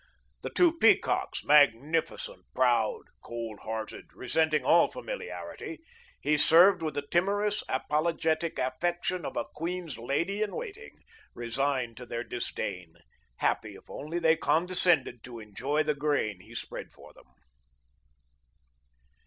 The two peacocks, magnificent, proud, cold hearted, resenting all familiarity, he served with the timorous, apologetic affection of a queen's lady in waiting, resigned to their disdain, happy if only they condescended to enjoy the grain he spread for them.